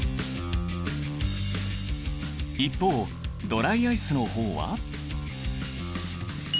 一方ドライアイスの方は。